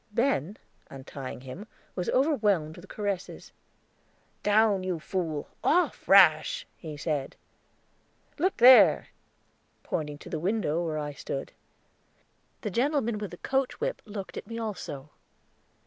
Ben, untying him, was overwhelmed with caresses. "Down, you fool! Off, Rash!" he said. "Look there," pointing to the window where I stood. The gentleman with the coach whip looked at me also.